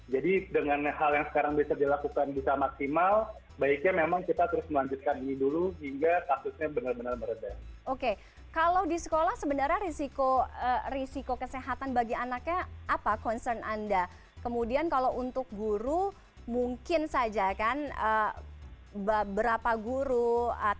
jadi dengan hal yang sekarang bisa dilakukan bisa maksimal baiknya memang kita terus melanjutkan ini dulu hingga kasusnya benar benar meredah